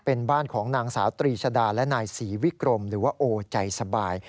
เป็นบ้านของนางสาวตรีชดาและนายศรีวิกรมหรือว่าโอใจสบาย